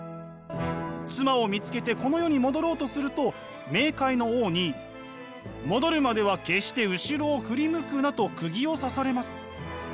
妻を見つけてこの世に戻ろうとすると冥界の王に「戻るまでは決して後ろを振り向くな」とくぎを刺されます。